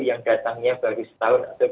yang datangnya baru setahun atau